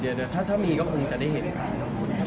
อเจมส์แล้วน้องมีเอาเสื้อชุดคุยไปถ่ายด้วยครับ